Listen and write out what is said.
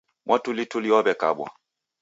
Mwatulituli wawekabwa